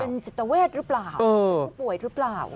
เป็นจิตเวทรึเปล่าป่วยรึเปล่า